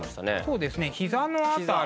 そうですね膝の辺り。